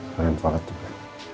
lain banget juga